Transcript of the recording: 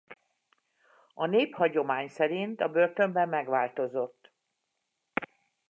A néphagyomány szerint a börtönben megváltozott.